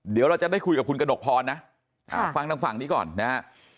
เดี๋ยวเราจะได้คุยกับคุณกนกฟอนนะค่ะฟังทางเป็นนี้ก่อนนะฮะ